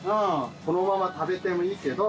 このまま食べてもいいけど。